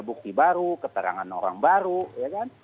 bukti baru keterangan orang baru ya kan